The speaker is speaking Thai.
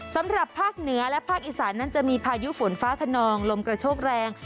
สำหรับภาคเหนือและภาคอีสานนั้นจะมีพายุฝนฟ้าขนองลมกระโชกแรง